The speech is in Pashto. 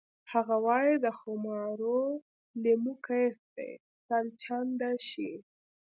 هغه وایی د خمارو لیمو کیف دې سل چنده شي